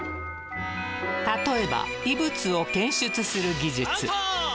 例えば異物を検出する技術。